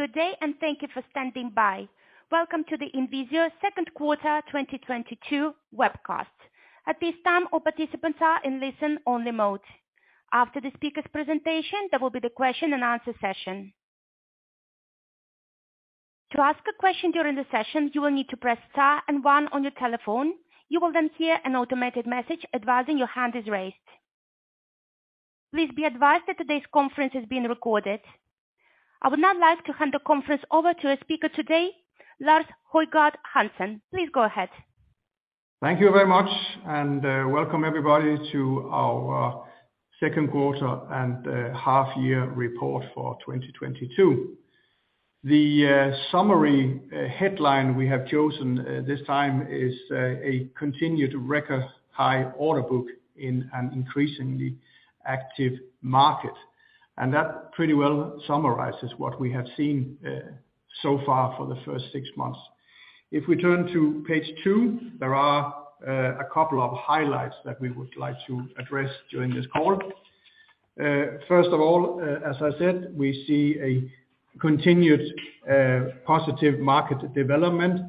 Good day, and thank you for standing by. Welcome to the INVISIO second quarter 2022 webcast. At this time, all participants are in listen-only mode. After the speaker's presentation, there will be the question and answer session. To ask a question during the session, you will need to press star and one on your telephone. You will then hear an automated message advising your hand is raised. Please be advised that today's conference is being recorded. I would now like to hand the conference over to our speaker today, Lars Højgård Hansen. Please go ahead. Thank you very much, and welcome everybody to our second quarter and half year report for 2022. The summary headline we have chosen this time is a continued record high order book in an increasingly active market. That pretty well summarizes what we have seen so far for the first six months. If we turn to page two, there are a couple of highlights that we would like to address during this call. First of all, as I said, we see a continued positive market development.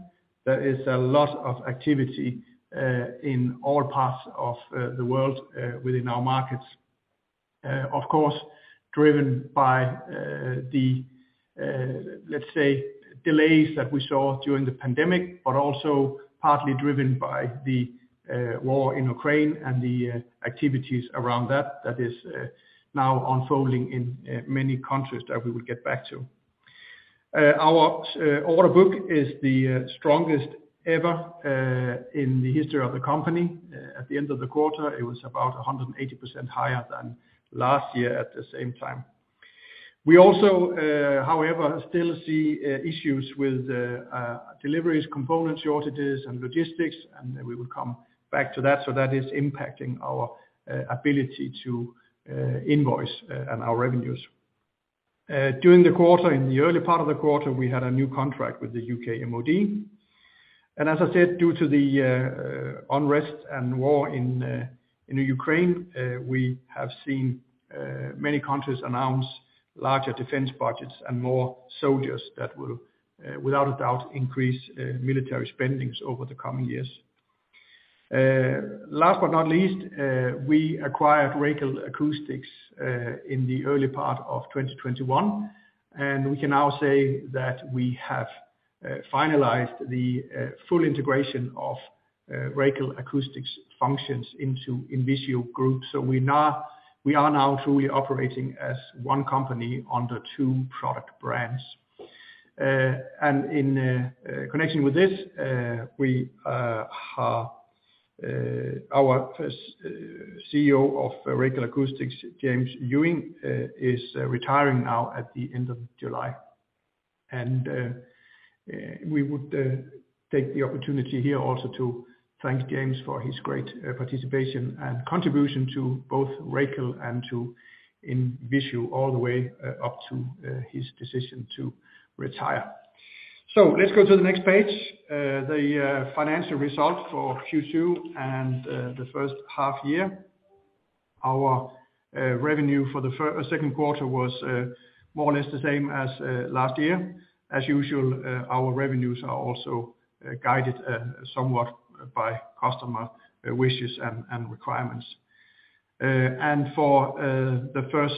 There is a lot of activity in all parts of the world within our markets. Of course driven by the, let's say delays that we saw during the pandemic, but also partly driven by the war in Ukraine and the activities around that is now unfolding in many countries that we will get back to. Our order book is the strongest ever in the history of the company. At the end of the quarter, it was about 180% higher than last year at the same time. We also however still see issues with deliveries, component shortages, and logistics, and we will come back to that, so that is impacting our ability to invoice and our revenues. During the quarter, in the early part of the quarter, we had a new contract with the UK MOD. As I said, due to the unrest and war in Ukraine, we have seen many countries announce larger defense budgets and more soldiers that will, without a doubt, increase military spending over the coming years. Last but not least, we acquired Racal Acoustics in the early part of 2021, and we can now say that we have finalized the full integration of Racal Acoustics functions into INVISIO Group. We are now truly operating as one company under two product brands. In connection with this, we have our first CEO of Racal Acoustics, James Ewing, is retiring now at the end of July. We would take the opportunity here also to thank James for his great participation and contribution to both Racal and to INVISIO all the way up to his decision to retire. Let's go to the next page. The financial result for Q2 and the first half year. Our revenue for the second quarter was more or less the same as last year. As usual, our revenues are also guided somewhat by customer wishes and requirements. For the first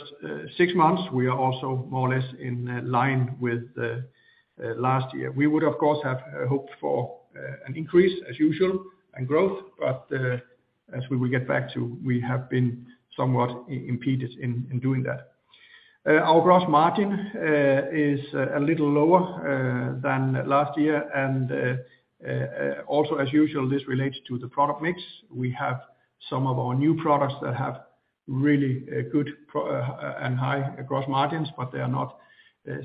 six months, we are also more or less in line with last year. We would of course have hoped for an increase as usual and growth, but as we will get back to, we have been somewhat impeded in doing that. Our gross margin is a little lower than last year and also as usual, this relates to the product mix. We have some of our new products that have really good and high gross margins, but they are not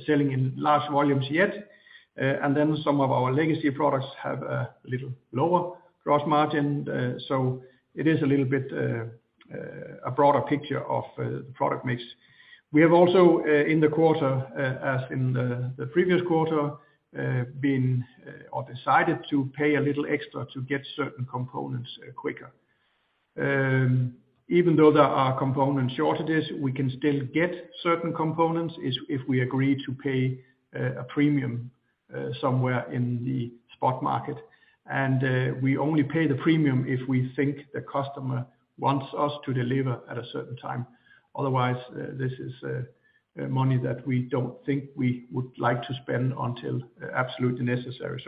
selling in large volumes yet. Some of our legacy products have a little lower gross margin. It is a little bit a broader picture of the product mix. We have also in the quarter, as in the previous quarter, been or decided to pay a little extra to get certain components quicker. Even though there are component shortages, we can still get certain components if we agree to pay a premium somewhere in the spot market. We only pay the premium if we think the customer wants us to deliver at a certain time. Otherwise, this is money that we don't think we would like to spend until absolutely necessary.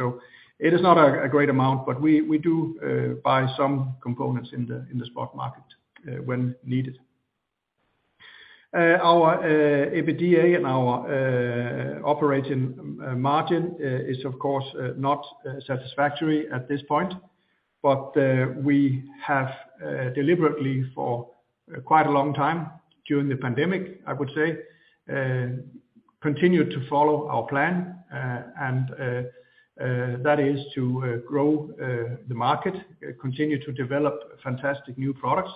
It is not a great amount, but we do buy some components in the spot market when needed. Our EBITDA and our operating margin is of course not satisfactory at this point. We have deliberately for quite a long time during the pandemic, I would say, continued to follow our plan and that is to grow the market, continue to develop fantastic new products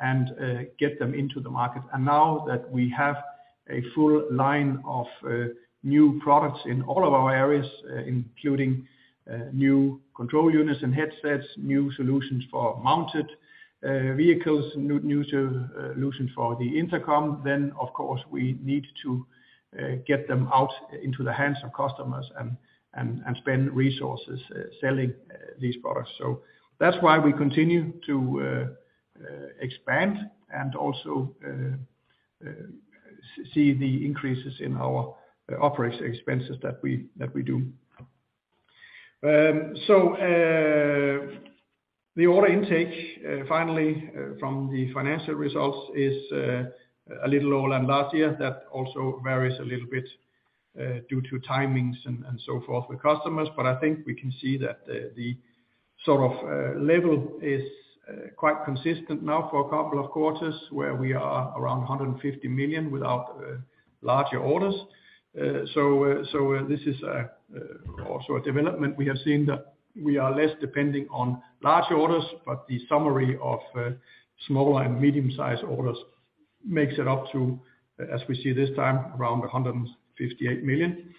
and get them into the market. Now that we have a full line of new products in all of our areas, including new control units and headsets, new solutions for mounted vehicles, new solutions for the intercom, then of course, we need to get them out into the hands of customers and spend resources selling these products. That's why we continue to expand and also see the increases in our operating expenses that we do. The order intake finally from the financial results is a little lower than last year. That also varies a little bit due to timings and so forth with customers. I think we can see that the sort of level is quite consistent now for a couple of quarters, where we are around 150 million without larger orders. This is also a development we have seen that we are less dependent on large orders, but the summary of small and medium-sized orders makes it up to, as we see this time, around 158 million.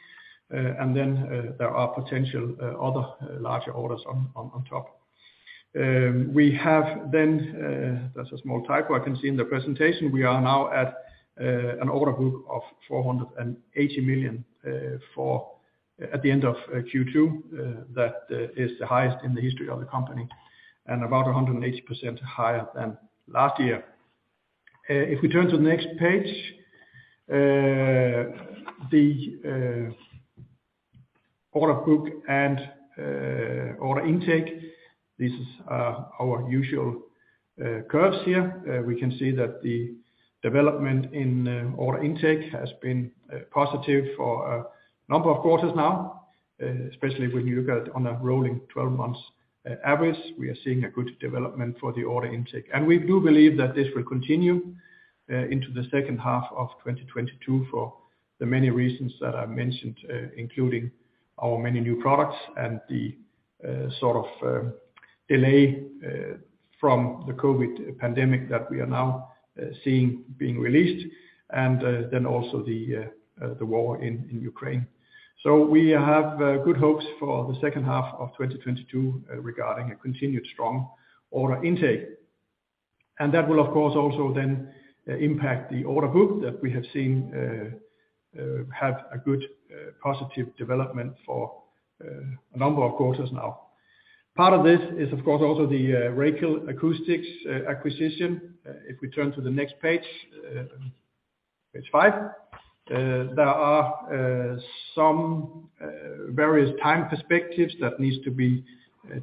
There are potential other larger orders on top. We have then. That's a small typo I can see in the presentation. We are now at an order book of 480 million for at the end of Q2. That is the highest in the history of the company and about 180% higher than last year. If we turn to the next page, the order book and order intake, this is our usual curves here. We can see that the development in order intake has been positive for a number of quarters now, especially when you look at on a rolling twelve months average, we are seeing a good development for the order intake. We do believe that this will continue into the second half of 2022 for the many reasons that I mentioned, including our many new products and the sort of delay from the COVID pandemic that we are now seeing being released, and then also the war in Ukraine. We have good hopes for the second half of 2022 regarding a continued strong order intake. That will, of course, also then impact the order book that we have seen have a good positive development for a number of quarters now. Part of this is, of course, also the Racal Acoustics acquisition. If we turn to the next page five, there are some various time perspectives that needs to be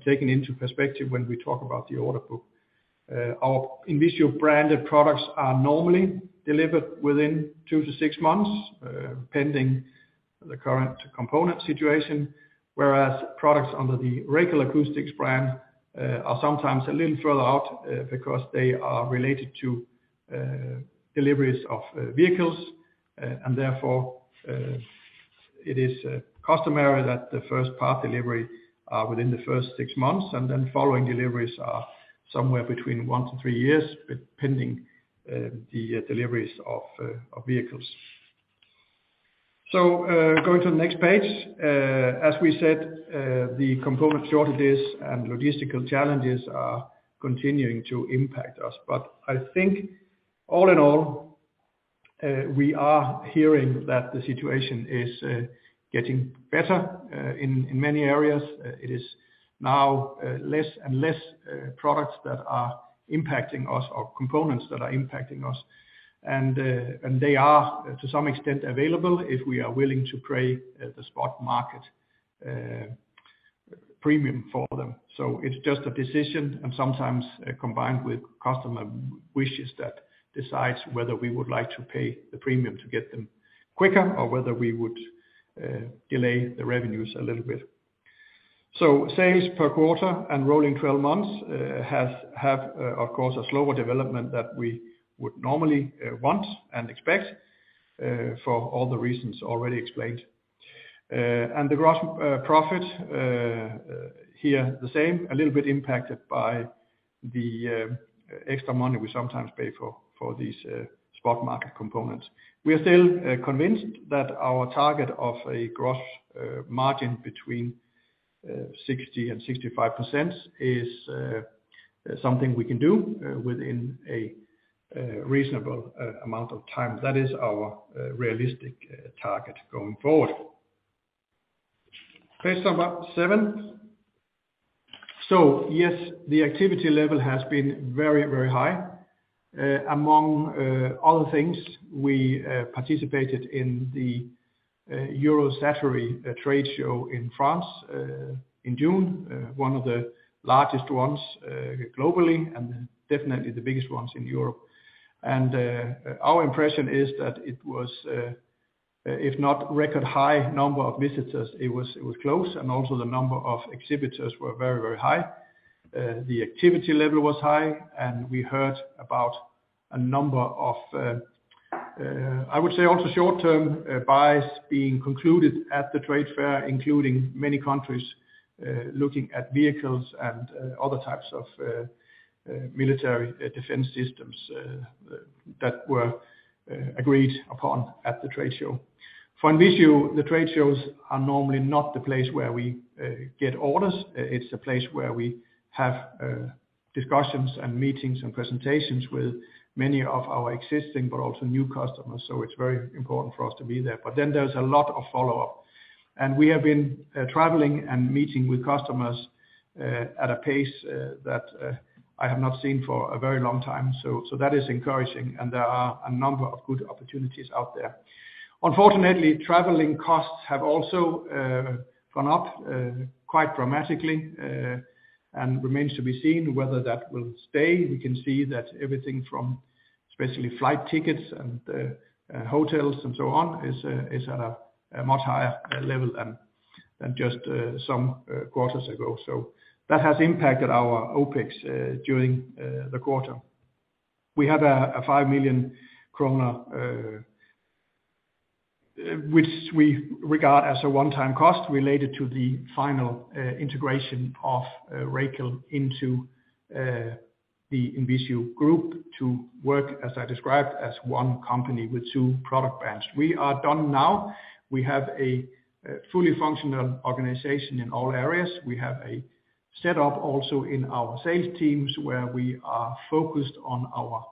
taken into perspective when we talk about the order book. Our INVISIO branded products are normally delivered within two-six months, pending the current component situation, whereas products under the Racal Acoustics brand are sometimes a little further out because they are related to deliveries of vehicles, and therefore it is customary that the first part delivery are within the first six months, and then following deliveries are somewhere between 1-3 years, depending on the deliveries of vehicles. Going to the next page, as we said, the component shortages and logistical challenges are continuing to impact us. I think all in all, we are hearing that the situation is getting better in many areas. It is now less and less products that are impacting us or components that are impacting us. They are to some extent available if we are willing to pay the spot market premium for them. It's just a decision and sometimes combined with customer wishes that decides whether we would like to pay the premium to get them quicker or whether we would delay the revenues a little bit. Sales per quarter and rolling twelve months have, of course, a slower development that we would normally want and expect for all the reasons already explained. The gross profit here the same, a little bit impacted by the extra money we sometimes pay for these spot market components. We are still convinced that our target of a gross margin between 60%-65% is something we can do within a reasonable amount of time. That is our realistic target going forward. Page number seven. Yes, the activity level has been very, very high. Among other things, we participated in the Eurosatory trade show in France in June, one of the largest ones globally, and definitely the biggest ones in Europe. Our impression is that it was, if not record high number of visitors, it was close, and also the number of exhibitors were very, very high. The activity level was high, and we heard about a number of, I would say also short-term, buys being concluded at the trade fair, including many countries looking at vehicles and other types of military defense systems that were agreed upon at the trade show. For INVISIO, the trade shows are normally not the place where we get orders. It's a place where we have discussions and meetings and presentations with many of our existing but also new customers. It's very important for us to be there. Then there's a lot of follow-up. We have been traveling and meeting with customers at a pace that I have not seen for a very long time, so that is encouraging, and there are a number of good opportunities out there. Unfortunately, traveling costs have also gone up quite dramatically, and remains to be seen whether that will stay. We can see that everything from especially flight tickets and hotels, and so on is at a much higher level than just some quarters ago. That has impacted our OPEX during the quarter. We have a 5 million kronor, which we regard as a one-time cost related to the final integration of Racal into the INVISIO Group to work as I described, as one company with two product brands. We are done now. We have a fully functional organization in all areas. We have a set up also in our sales teams, where we are focused on our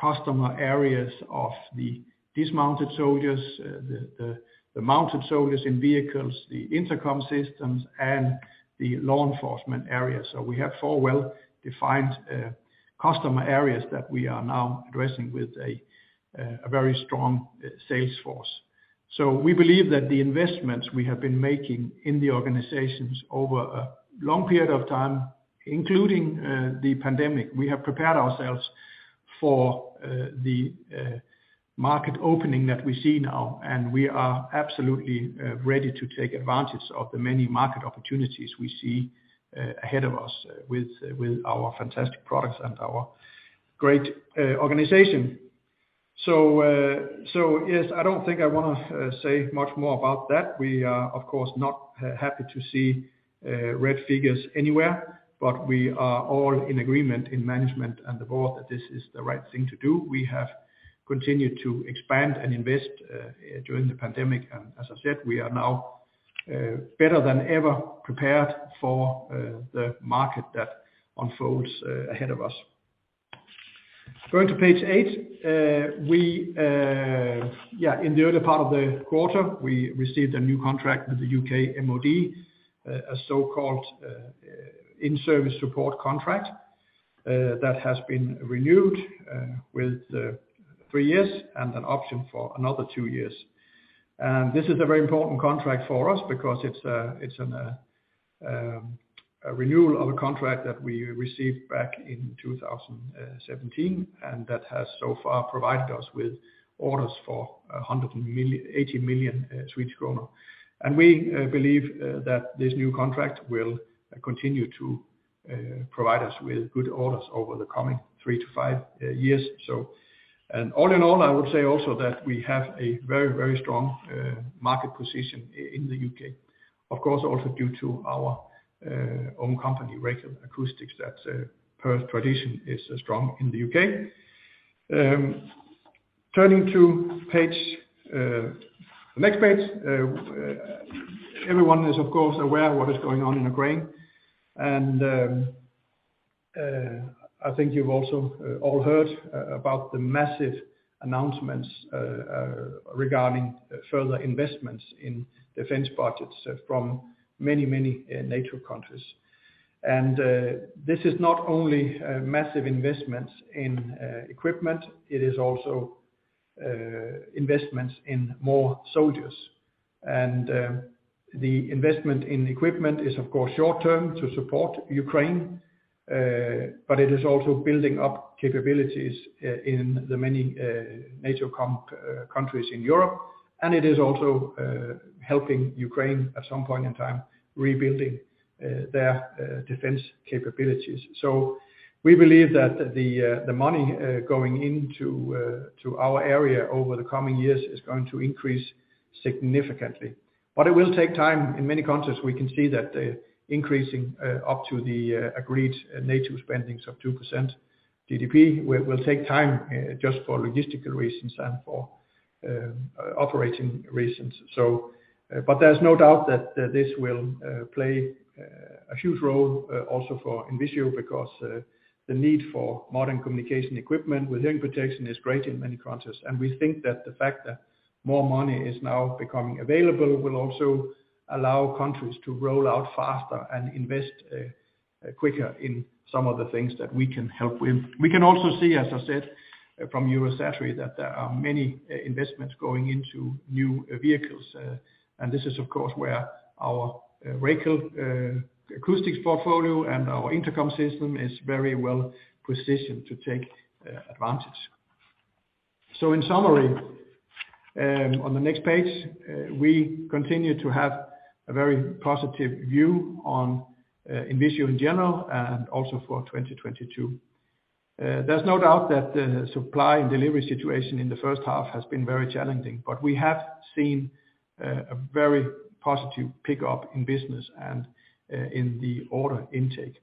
customer areas of the dismounted soldiers, the mounted soldiers in vehicles, the intercom systems, and the law enforcement areas. We have four well-defined customer areas that we are now addressing with a very strong sales force. We believe that the investments we have been making in the organizations over a long period of time, including the pandemic, we have prepared ourselves for the market opening that we see now, and we are absolutely ready to take advantage of the many market opportunities we see ahead of us with our fantastic products and our great organization. Yes, I don't think I wanna say much more about that. We are of course, not happy to see red figures anywhere, but we are all in agreement in management and the board that this is the right thing to do. We have continued to expand and invest during the pandemic. As I said, we are now better than ever prepared for the market that unfolds ahead of us. Going to page eight, in the early part of the quarter, we received a new contract with the UK MOD, a so-called in-service support contract that has been renewed with three years and an option for another two years. This is a very important contract for us because it's a renewal of a contract that we received back in 2017, and that has so far provided us with orders for 80 million Swedish kronor. We believe that this new contract will continue to provide us with good orders over the coming three-five years. All in all, I would say also that we have a very, very strong market position in the U.K., of course, also due to our own company, Racal Acoustics, that per tradition is strong in the U.K. Turning to next page, everyone is of course aware of what is going on in Ukraine. I think you've also all heard about the massive announcements regarding further investments in defense budgets from many NATO countries. This is not only massive investments in equipment, it is also investments in more soldiers. The investment in equipment is of course short term to support Ukraine, but it is also building up capabilities in the many NATO countries in Europe. It is also helping Ukraine at some point in time rebuilding their defense capabilities. We believe that the money going into our area over the coming years is going to increase significantly. It will take time. In many countries, we can see that the increasing up to the agreed NATO spending of 2% GDP will take time, just for logistical reasons and for operating reasons. There's no doubt that this will play a huge role also for INVISIO because the need for modern communication equipment with hearing protection is great in many countries. We think that the fact that more money is now becoming available will also allow countries to roll out faster and invest quicker in some of the things that we can help with. We can also see as I said, from Eurosatory that there are many investments going into new vehicles. This is of course where our Racal Acoustics portfolio and our intercom system is very well positioned to take advantage. In summary, on the next page, we continue to have a very positive view on INVISIO in general and also for 2022. There's no doubt that the supply and delivery situation in the first half has been very challenging, but we have seen a very positive pickup in business and in the order intake.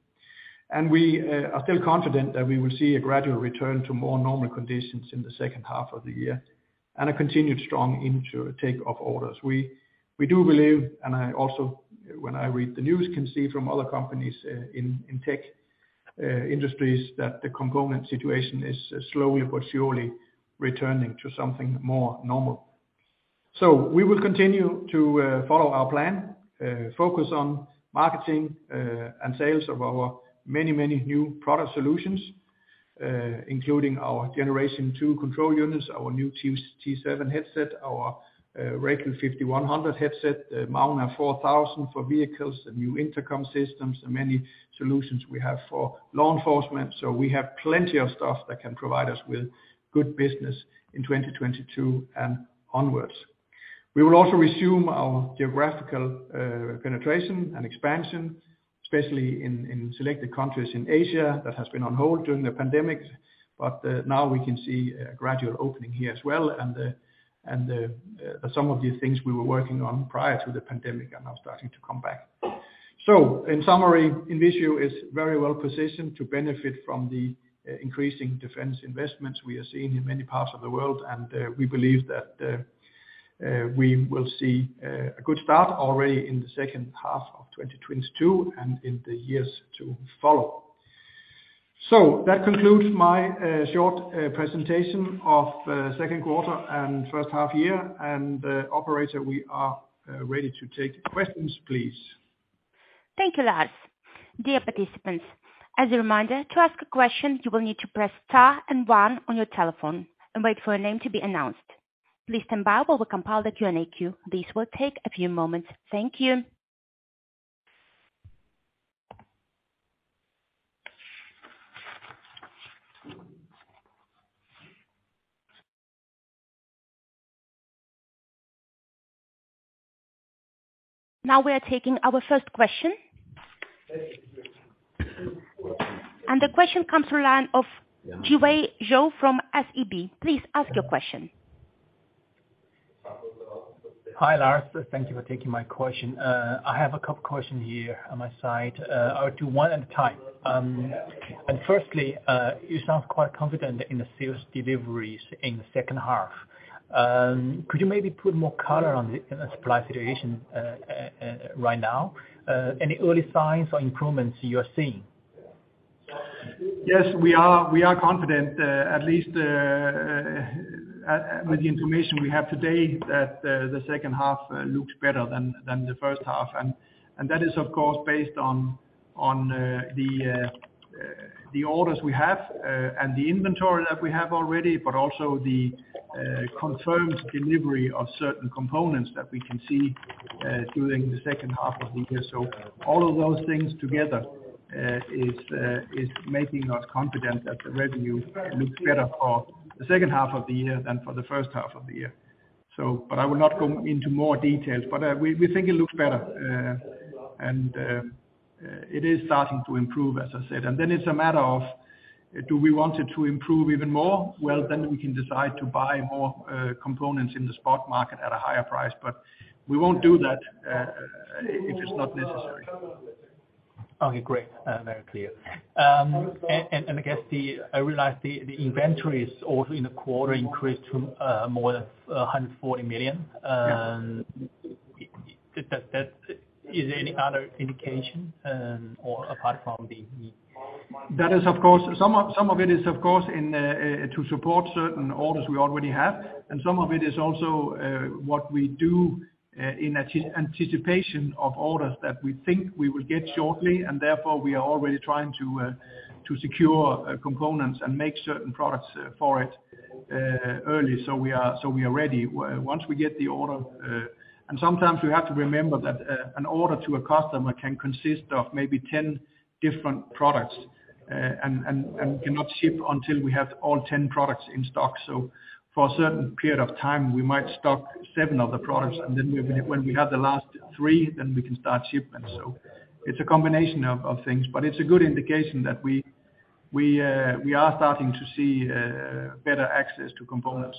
We are still confident that we will see a gradual return to more normal conditions in the second half of the year and a continued strong intake of orders. We do believe, and I also, when I read the news, can see from other companies in tech industries, that the component situation is slowly but surely returning to something more normal. We will continue to follow our plan, focus on marketing and sales of our many new product solutions, including our generation two control units, our new T7 headset, our RA5100 headset, the RA4000 Magna for vehicles, the new intercom systems, and many solutions we have for law enforcement. We will also resume our geographical penetration and expansion, especially in selected countries in Asia that has been on hold during the pandemic. Now we can see a gradual opening here as well and some of the things we were working on prior to the pandemic are now starting to come back. In summary, INVISIO is very well positioned to benefit from the increasing defense investments we are seeing in many parts of the world. We believe that we will see a good start already in the second half of 2022 and in the years to follow. That concludes my short presentation of second quarter and first half year. Operator, we are ready to take questions please. Thank you Lars. Dear participants, as a reminder to ask a question, you will need to press star and one on your telephone and wait for a name to be announced. Please stand by while we compile the Q&A queue. This will take a few moments. Thank you. Now we are taking our first question. The question comes through line of Jiewei Zhou from SEB. Please ask your question. Hi Lars. Thank you for taking my question. I have a couple questions here on my side. I'll do one at a time. Firstly, you sound quite confident in the sales deliveries in the second half. Could you maybe put more color on the supply situation right now? Any early signs or improvements you are seeing? Yes, we are confident at least, with the information we have today that the second half looks better than the first half. That is of course based on the orders we have and the inventory that we have already, but also the confirmed delivery of certain components that we can see during the second half of the year. All of those things together is making us confident that the revenue looks better for the second half of the year than for the first half of the year. I will not go into more details, but we think it looks better. It is starting to improve as I said. Then it's a matter of do we want it to improve even more? Well then we can decide to buy more components in the spot market at a higher price. We won't do that if it's not necessary. Okay great. Very clear. I guess the inventories also in the quarter increased to more than 140 million. Is there any other indication, or apart from the? That is of course, some of it is of course in to support certain orders we already have. Some of it is also what we do in anticipation of orders that we think we will get shortly, and therefore we are already trying to secure components and make certain products for it early, so we are ready. Once we get the order. Sometimes we have to remember that an order to a customer can consist of maybe 10 different products, and cannot ship until we have all 10 products in stock. For a certain period of time, we might stock seven of the products, and then, when we have the last three, then we can start shipping. It's a combination of things, but it's a good indication that we are starting to see better access to components.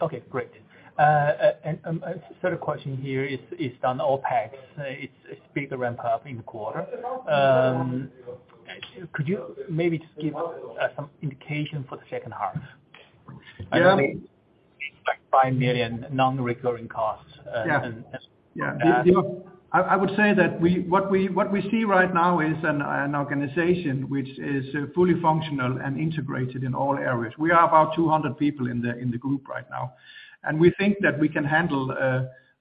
Okay great. A third question here is on OpEx. It's bigger ramp up in the quarter. Could you maybe just give some indication for the second half? Yeah. I believe it's like 5 million non-recurring costs. Yeah. And, and- Yeah. I would say that what we see right now is an organization which is fully functional and integrated in all areas. We are about 200 people in the group right now, and we think that we can handle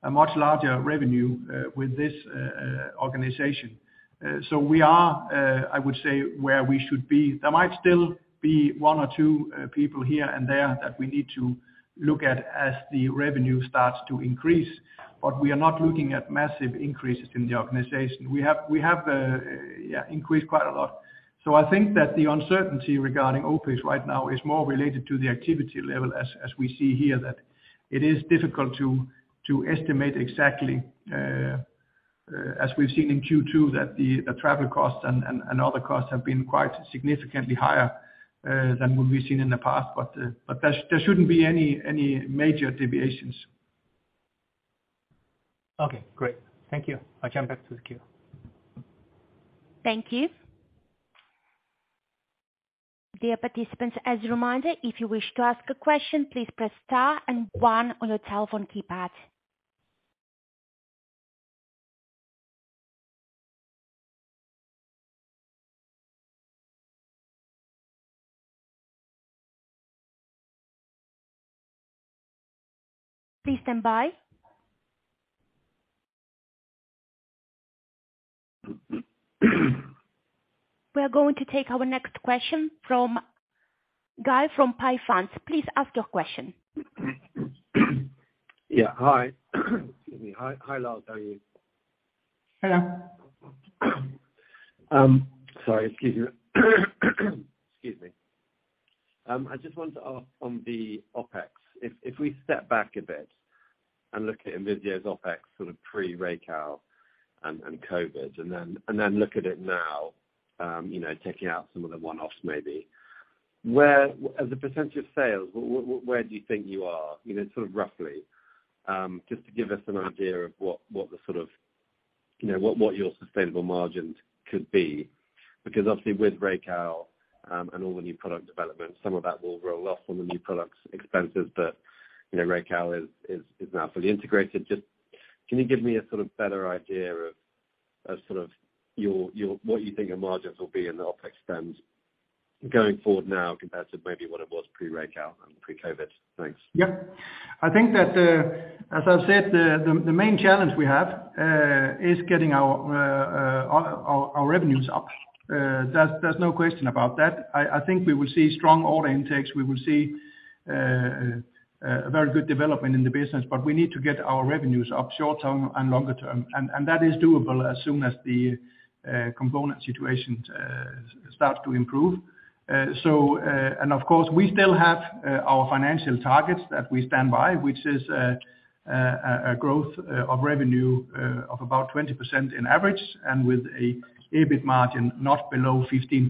a much larger revenue with this organization. We are, I would say, where we should be. There might still be one or two people here and there that we need to look at as the revenue starts to increase. We are not looking at massive increases in the organization. We have increased quite a lot. I think that the uncertainty regarding OPEX right now is more related to the activity level as we see here, that it is difficult to estimate exactly, as we've seen in Q2, that the travel costs and other costs have been quite significantly higher than what we've seen in the past. But there shouldn't be any major deviations. Okay, great. Thank you. I'll jump back to the queue. Thank you. Dear participants, as a reminder, if you wish to ask a question, please press star and one on your telephone keypad. Please stand by. We are going to take our next question from Guy from Pi Funds. Please ask your question. Yeah. Hi. Excuse me. Hi Lars. How are you? Hello. Sorry. Excuse me. I just wanted to ask on the OpEx. If we step back a bit and look at INVISIO's OpEx sort of pre-Racal and COVID and then look at it now, you know, taking out some of the one-offs maybe, as a percentage of sales, where do you think you are, you know, sort of roughly. Just to give us an idea of what the sort of, you know, what your sustainable margins could be. Because obviously with Racal and all the new product development, some of that will roll off on the new products expenses. You know, Racal is now fully integrated. Just can you give me a sort of better idea of sort of your. What do you think your margins will be and the OPEX spend going forward now compared to maybe what it was pre-Racal and pre-COVID? Thanks. Yeah. I think that as I've said, the main challenge we have is getting our revenues up. There's no question about that. I think we will see strong order intakes. We will see a very good development in the business. We need to get our revenues up short-term and longer term. That is doable as soon as the component situation starts to improve. Of course, we still have our financial targets that we stand by, which is a growth of revenue of about 20% on average and with an EBIT margin not below 15%.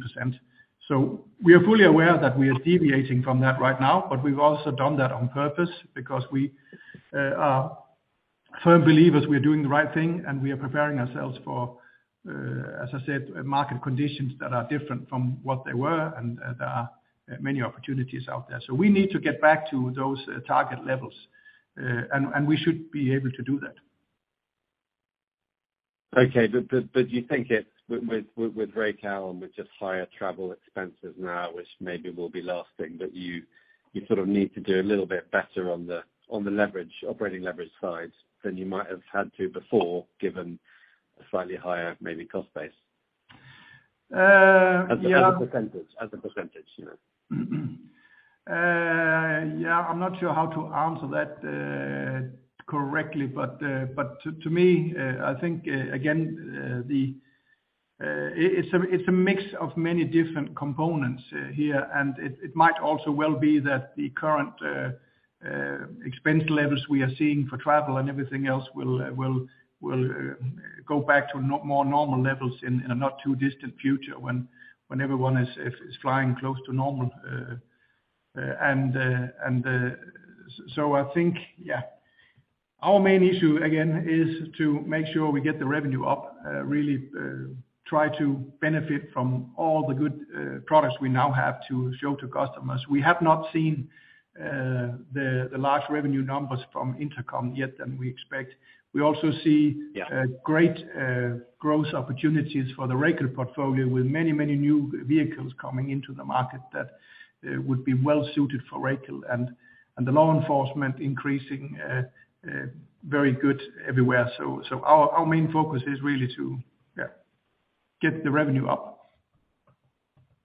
We are fully aware that we are deviating from that right now, but we've also done that on purpose because we are firm believers we are doing the right thing and we are preparing ourselves for, as I said, market conditions that are different from what they were, and there are many opportunities out there. We need to get back to those target levels. We should be able to do that. Do you think it's with Racal with just higher travel expenses now, which maybe will be lasting, but you sort of need to do a little bit better on the leverage, operating leverage side than you might have had to before given a slightly higher maybe cost base? Uh, yeah- As a percentage, you know. Yeah, I'm not sure how to answer that correctly. To me, I think again it's a mix of many different components here. It might also well be that the current expense levels we are seeing for travel and everything else will go back to more normal levels in a not too distant future when everyone is flying close to normal. I think, yeah. Our main issue again is to make sure we get the revenue up, really try to benefit from all the good products we now have to show to customers. We have not seen the large revenue numbers from Intercom yet, and we expect. We also see. Yeah. A great growth opportunities for the Racal portfolio with many new vehicles coming into the market that would be well suited for Racal. The law enforcement increasing very good everywhere. Our main focus is really to- Yeah. Get the revenue up.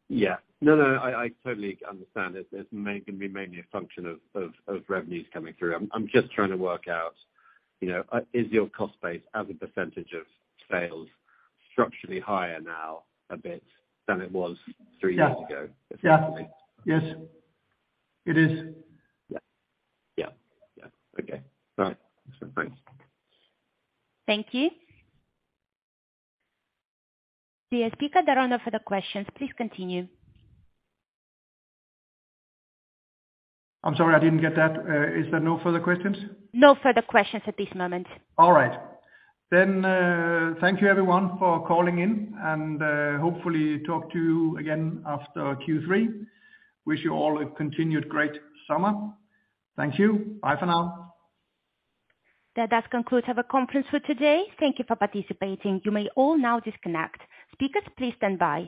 Yeah. No, no, I totally understand it. It may gonna be mainly a function of revenues coming through. I'm just trying to work out, you know, is your cost base as a percentage of sales structurally higher now a bit than it was three years ago? Yeah- Yeah. Yes. It is. Yeah. Yeah, yeah. Okay. All right. Thanks. Thank you. The speaker that are on for the questions, please continue. I'm sorry, I didn't get that. Is there no further questions? No further questions at this moment. All right. Thank you everyone for calling in, and hopefully talk to you again after Q3. Wish you all a continued great summer. Thank you. Bye for now. That does conclude our conference for today. Thank you for participating. You may all now disconnect. Speakers, please stand by.